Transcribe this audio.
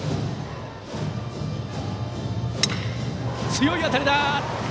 強い当たりだ！